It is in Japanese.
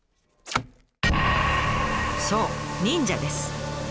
そう忍者です。